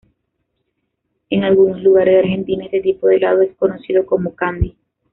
En algunos lugares de Argentina este tipo de helado es conocido como "candy".